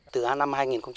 từ năm hai nghìn một mươi năm